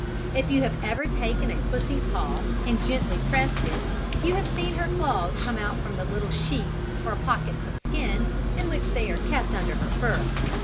If you have ever taken pussy's paw, and gently pressed it, you have seen her claws come out from the little sheaths, or pockets of skin, in which they are kept under her fur.